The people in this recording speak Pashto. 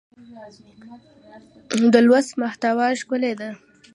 د لوست محتوا ښکلې ده.